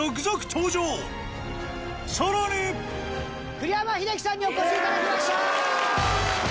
栗山英樹さんにお越し頂きました！